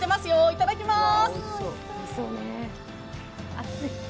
いただきまーす。